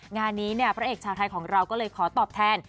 งานนี้เนี่ยพระเอกชาวไทยของเราก็เลยขอตอบแทน